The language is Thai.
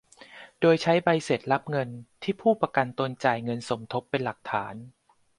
โดยใช้ใบเสร็จรับเงินที่ผู้ประกันตนจ่ายเงินสมทบเป็นหลักฐาน